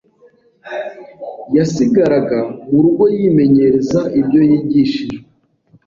yasigaraga mu rugo yimenyereza ibyo yigishijwe,